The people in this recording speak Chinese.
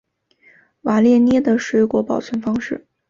瓦列涅的水果保存方式。